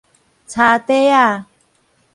柴塊仔